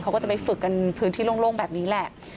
เขาก็จะไปฝึกกันพื้นที่โล่งแบบนี้แหละ